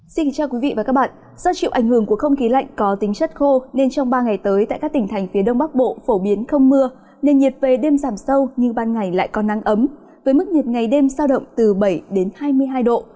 xin kính chào quý vị và các bạn do chịu ảnh hưởng của không khí lạnh có tính chất khô nên trong ba ngày tới tại các tỉnh thành phía đông bắc bộ phổ biến không mưa nên nhiệt về đêm giảm sâu nhưng ban ngày lại có nắng ấm với mức nhiệt ngày đêm sao động từ bảy hai mươi hai độ